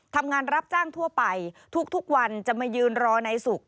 ทำงานรับจ้างทั่วไปทุกวันจะมายืนรอนายสุก